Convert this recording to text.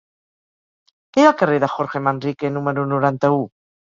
Què hi ha al carrer de Jorge Manrique número noranta-u?